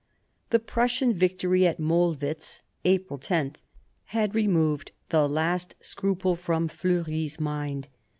The Prussian victory at Mollwitz (April 10) had removed the last scruple from Fleury's mind.